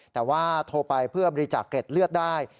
แต่ว่าโทรไปเพื่อบริจาคเกร็ดเลือดได้